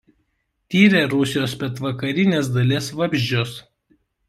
Tyrė Rusijos pietvakarinės dalies vabzdžius.